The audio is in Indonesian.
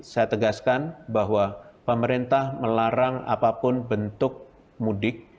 saya tegaskan bahwa pemerintah melarang apapun bentuk mudik